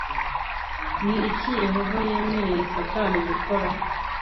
ni iki yehova yemereye satani gukora